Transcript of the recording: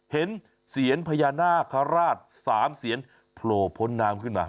เสียนพญานาคาราช๓เสียนโผล่พ้นน้ำขึ้นมา